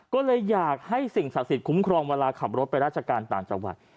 ก็เลยอยากให้สิ่งศักดิ์สิทธิคุ้มครองเวลาขับรถไปราชการต่างจังหวัด